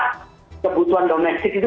kebutuhan domestik itu